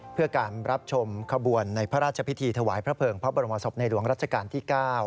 เพื่อการรับชมขบวนในพระราชพิธีถวายพระเภิงพระบรมศพในหลวงรัชกาลที่๙